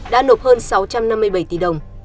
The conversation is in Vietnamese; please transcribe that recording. đã nộp hơn sáu trăm năm mươi bảy tỷ đồng